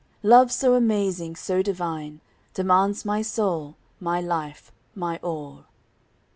"Love so amazing, so divine, Demands my soul, my life, my all."